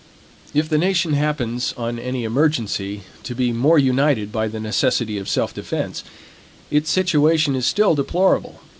If the nation happens, on any emergency, to be more united by the necessity of self defense, its situation is still deplorable.